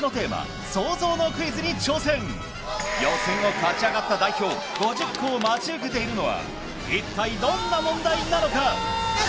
予選を勝ち上がった代表５０校を待ち受けているのは一体どんな問題なのか？